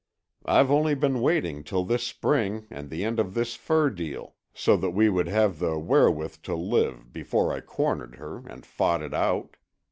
I've only been waiting till this spring and the end of this fur deal, so that we would have the wherewith to live, before I cornered her and fought it out.